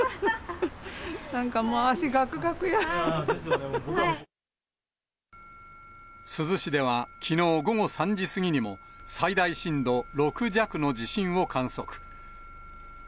なんかもう、珠洲市では、きのう午後３時過ぎにも、最大震度６弱の地震を観測。